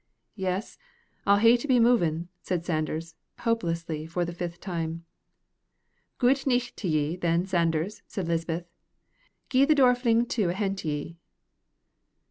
"Yes, I'll hae to be movin'," said Sanders, hopelessly, for the fifth time. "Guid nicht to ye, then, Sanders," said Lisbeth. "Gie the door a fling to ahent ye."